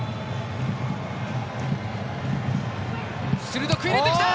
鋭く入れてきた！